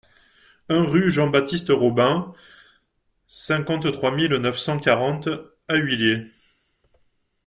un rue Jean-Baptiste Robin, cinquante-trois mille neuf cent quarante Ahuillé